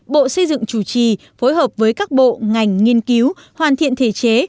bộ xây dựng chủ trì phối hợp với các bộ ngành nghiên cứu hoàn thiện thể chế